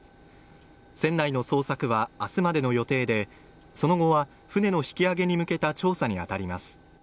船内の捜索は明日までの予定でその後は船の引き揚げに向けた調査にあたります